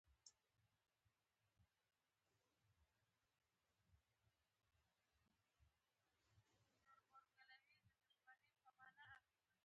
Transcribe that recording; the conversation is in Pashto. د سر د چکر لپاره د لیمو او مالګې اوبه وڅښئ